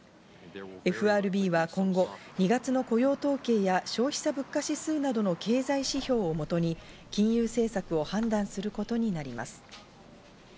ＦＲＢは今後、２月の雇用統計や消費者物価指数などの経済指標をもとに金融政策を判断することになります。